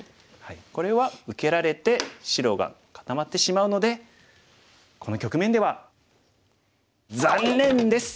これは受けられて白が固まってしまうのでこの局面では。